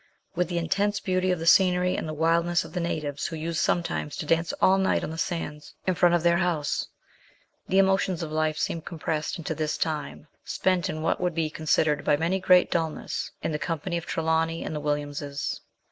With the intense beauty of the scenery, and the wildness of the natives who used sometimes to dance all night on the sands in front of their house ; the emotions of life seemed compressed into this time, spent in what would lie considered by many great dulness, in the company of Trelawny and the \Villiamses.